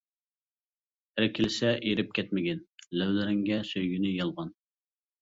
ئەركىلىسە ئېرىپ كەتمىگىن، لەۋلىرىڭگە سۆيگىنى يالغان.